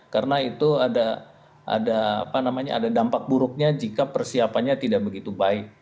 karena itu ada dampak buruknya jika persiapannya tidak begitu baik